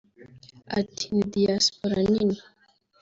Ati "Ni Diaspora nini